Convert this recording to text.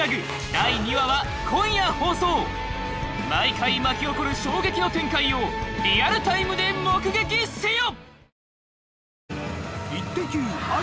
第２話は今夜放送毎回巻き起こる衝撃の展開をリアルタイムで目撃せよ！